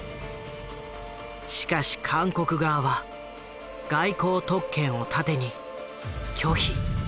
しかし韓国側は外交特権を盾に拒否。